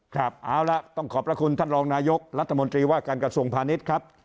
ครับเอาละต้องขอบพระคุณท่านรองนายกรัฐมนตรีว่าการกระทรวงพาณิชย์ครับ